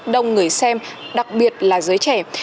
đông người xem đặc biệt là giới trẻ